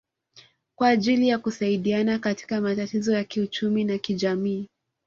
kwa ajili ya kusaidiana katika matatizo ya kiuchumi na kijamii